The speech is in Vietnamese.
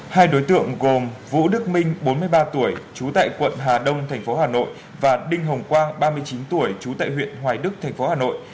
hai đối tượng gồm vũ đức minh bốn mươi ba tuổi trú tại quận hà đông tp hà nội và đinh hồng quang ba mươi chín tuổi trú tại huyện hoài đức tp hà nội